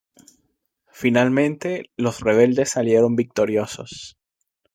Finalmente, los rebeldes salieron victoriosos.